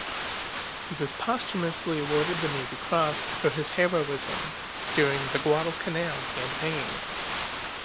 He was posthumously awarded the Navy Cross for his heroism during the Guadalcanal campaign.